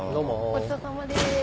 ごちそうさまです。